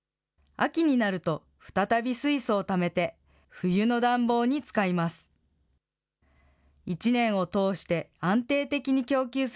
秋になると、再び水素をためて、冬の暖房に使います。